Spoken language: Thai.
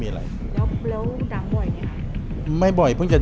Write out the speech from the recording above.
ไม่รู้ว่ามีคนติดละนาด